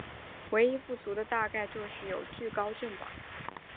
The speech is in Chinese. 唯一不足的大概就是有惧高症吧。